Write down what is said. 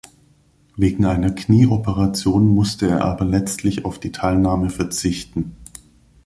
Wegen einer Knieoperation musste er aber letztlich auf die Teilnahme verzichten.